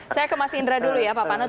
saya ke mas indra dulu ya pak panut